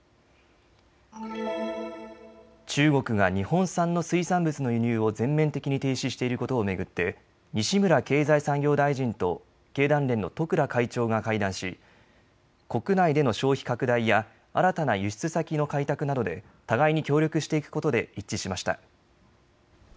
中国が日本産の水産物の輸入を全面的に停止していることを巡って、西村経済産業大臣と経団連の十倉会長が会談し国内での消費拡大や新たな輸出先の開拓などで互いに協力していくことで一致しました。